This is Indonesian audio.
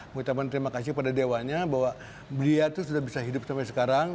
mengucapkan terima kasih pada dewanya bahwa beliau itu sudah bisa hidup sampai sekarang